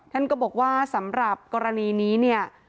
ท่านก็บอกว่าสำหรับกรณีนี้เนี่ย